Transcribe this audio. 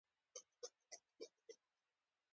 پلتۍ مې ورته ووهله، دومره خوندوره وه چې ګوتې مې وې خوړلې.